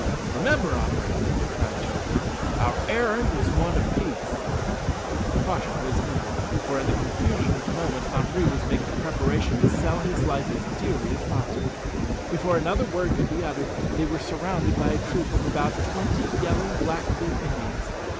"Remember, Henri," cried Joe Blunt, "our errand is one of peace." The caution was needed, for in the confusion of the moment Henri was making preparation to sell his life as dearly as possible. Before another word could be uttered, they were surrounded by a troop of about twenty yelling Blackfeet Indians.